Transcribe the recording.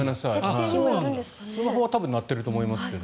スマホは鳴ってると思いますけど。